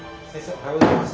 おはようございます。